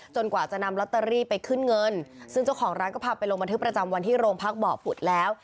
กว่าจะนำลอตเตอรี่ไปขึ้นเงินซึ่งเจ้าของร้านก็พาไปลงบันทึกประจำวันที่โรงพักบ่อผุดแล้ว